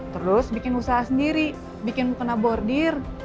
terus bikin usaha sendiri bikin mukena bordir